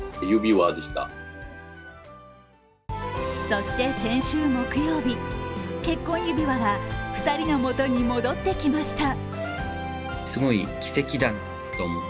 そして先週木曜日、結婚指輪が２人のもとに戻ってきました。